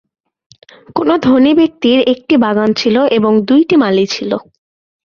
কোন ধনী ব্যক্তির একটি বাগান ছিল এবং দুইটি মালী ছিল।